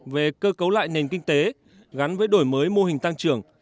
về cơ cấu lại nền kinh tế gắn với đổi mới mô hình tăng trưởng